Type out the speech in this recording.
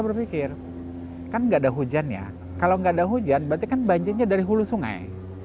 berpikir kan enggak ada hujan ya kalau nggak ada hujan berarti kan banjirnya dari hulu sungai